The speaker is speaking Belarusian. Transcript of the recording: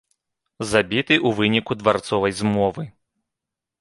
Забіты ў выніку дварцовай змовы.